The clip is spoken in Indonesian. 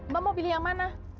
bapak mau pilih yang mana